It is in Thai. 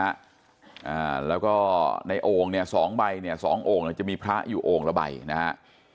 อ่าแล้วก็ในโอ่งเนี่ยสองใบเนี่ยสองโอ่งเนี้ยจะมีพระอยู่โอ่งละใบนะฮะ